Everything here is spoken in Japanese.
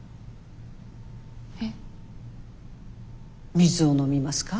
水を飲みますか？